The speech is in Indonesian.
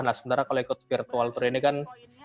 nah sementara kalau ikut virtual tour ini kan